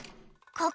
ここ。